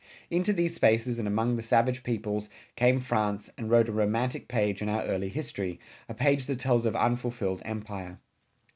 Into these spaces and among the savage peoples, came France and wrote a romantic page in our early history, a page that tells of unfulfilled empire.